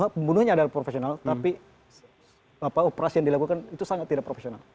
pembunuhnya adalah profesional tapi operasi yang dilakukan itu sangat tidak profesional